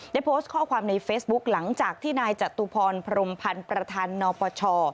ได้โพสต์ข้อความในเฟซบุ๊คหลังจากที่นายจตุพรพรมพันธ์ประธานนปช